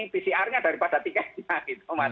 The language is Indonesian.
pcr nya daripada tiketnya gitu mas